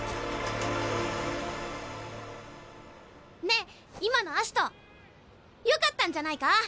ねえ今のアシトよかったんじゃないか？